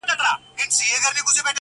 o دغه ياغي خـلـگـو بــه منـلاى نـــه.